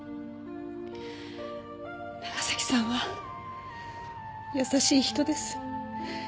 長崎さんは優しい人です。